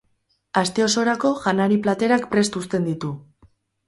Aste osorako janari platerak prest uzten ditu.